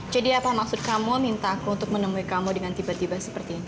jadi apa maksud kamu minta aku untuk menemui kamu dengan tiba tiba seperti ini